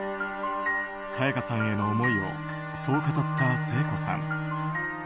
沙也加さんへの思いをそう語った聖子さん。